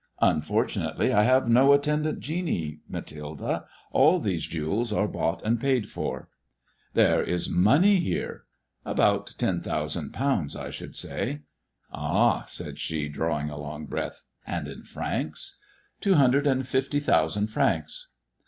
"Unfortunately, I have no attendant genie, Mathilde. All these jewels are bought and paid for.'' " There is money here." " About ten thousand pounds, I should say." " Ah," said she, drawing a long breath, " and in francs 1 "" Two hundred and fifty thousand francs."